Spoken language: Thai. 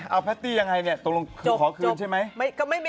เอ้อแพลตตี้ยังไงเนี่ยตรงขอคืนใช่ไหม